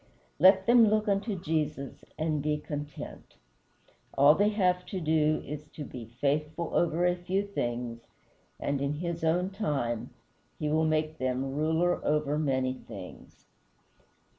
Let them look unto Jesus, and be content. All they have to do is to be "faithful over a few things," and in his own time he will make them "ruler over many things."